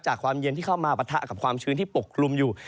ความเย็นที่เข้ามาปะทะกับความชื้นที่ปกคลุมอยู่